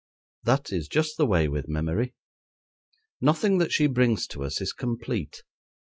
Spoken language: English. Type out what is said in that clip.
That is just the way with Memory; nothing that she brings to us is complete.